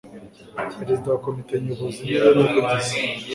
perezida wa komite nyobozi niwe muvugizi